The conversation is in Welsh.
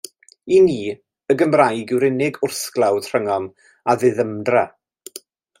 I ni, y Gymraeg yw'r unig wrthglawdd rhyngom a diddymdra.